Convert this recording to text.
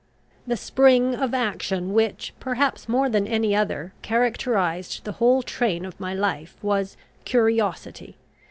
The spring of action which, perhaps more than any other, characterised the whole train of my life, was curiosity.